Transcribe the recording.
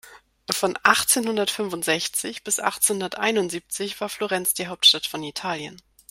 Von achtzehnhundertfünfundsechzig bis achtzehnhunderteinundsiebzig war Florenz die Hauptstadt von Italien.